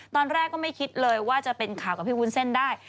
ตอนแรกก็ไม่คิดเลยว่าจะเป็นข่าวกับพี่วุ้นเส้นได้